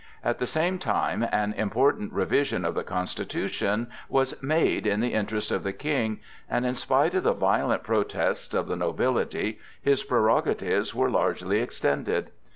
At the same time an important revision of the constitution was made in the interest of the King, and, in spite of the violent protests of the nobility, his prerogatives were largely extended.